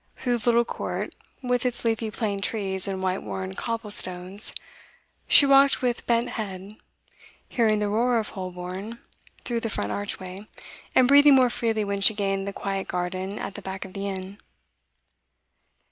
Through the little court, with its leafy plane trees and white worn cobble stones, she walked with bent head, hearing the roar of Holborn through the front archway, and breathing more freely when she gained the quiet garden at the back of the Inn.